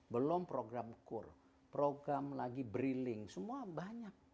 belum program kur program lagi briling semua banyak